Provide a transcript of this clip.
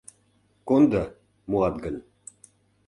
Кондо, муат гын.